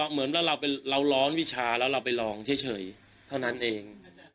เหมือนว่าเราไปเราร้อนวิชาแล้วเราไปลองเฉยเฉยเท่านั้นเอง